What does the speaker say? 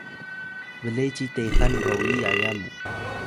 ble ci texan royi yaya mu